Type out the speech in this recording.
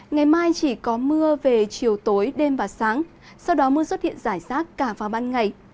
ngày mai chỉ có mưa về chiều tối đêm và sáng sau đó mưa xuất hiện rải rác cả vào ban ngày